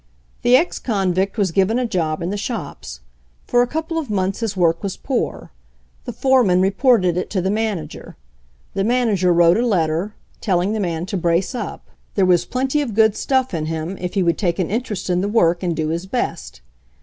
The ex convict was given a job in the shops. For a couple of months his work was poor. The foreman reported it to the manager. The man ager wrote a letter, telling the man to brace up, MAKING IT PAY 159 there was plenty of good stuff in him if he would take an interest in the work and do his best.